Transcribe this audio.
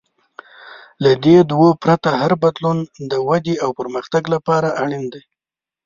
له دې دوو پرته، هر بدلون د ودې او پرمختګ لپاره اړین دی.